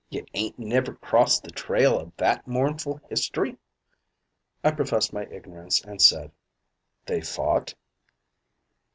"Ye ain't never crossed the trail o' that mournful history?" I professed my ignorance and said: "They fought?"